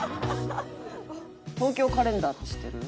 『東京カレンダー』って知ってる？